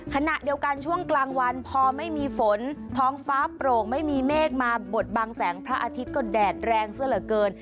ขณะเดียวกันช่วงกลางวันพอไม่มีฝนท้องฟ้าโปร่งไม่มีเมฆมาบดบังแสงพระอาทิตย์ก็แดดแรงซะเหลือเกิน